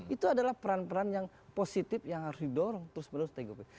itu adalah peran peran yang positif yang harus didorong terus menerus tgp